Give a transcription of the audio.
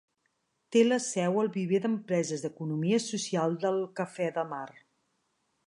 Té la seu al viver d'empreses d'economia social del Cafè de Mar.